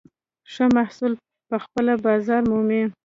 ښه محصول پخپله بازار مومي.